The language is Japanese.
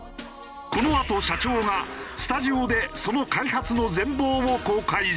このあと社長がスタジオでその開発の全貌を公開する。